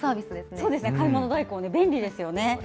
そうですね、買い物代行、便利ですよね。